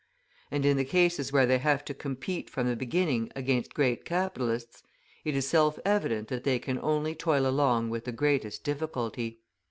And in the cases where they have to compete from the beginning against great capitalists, it is self evident that they can only toil along with the greatest difficulty.